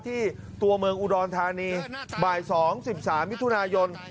ตัวเมืองอุดรธานีบ่าย๒๑๓มิถุนายน